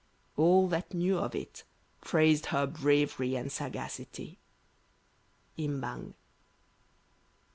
All that knew of it praised her bravery and sagacity. Im Bang.